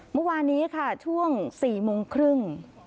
เมื่อวานนี้ค่ะช่วง๔โมงครึ่ง